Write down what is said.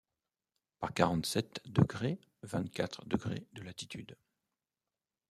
Par quarante-sept degrévingt-quatre degré de latitude